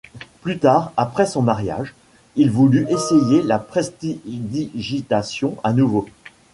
Plus tard, après son mariage, il voulut essayer la prestidigitation à nouveau.